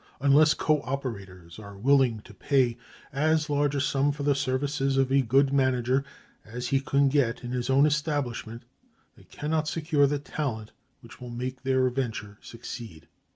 Unless co operators are willing to pay as large a sum for the services of a good manager as he could get in his own establishment, they can not secure the talent which will make their venture succeed.